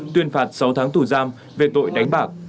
tuyên phạt sáu tháng tù giam về tội đánh bạc